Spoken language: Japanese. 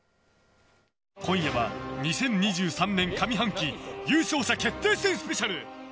今夜は２０２３年上半期優勝者決定戦スペシャル。